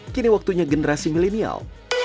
kini waktunya generasi millenial